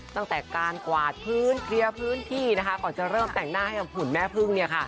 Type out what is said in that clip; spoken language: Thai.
ตั้งแต่การกวาดพื้นเคลียร์พื้นที่นะคะก่อนจะเริ่มแต่งหน้าให้กับหุ่นแม่พึ่ง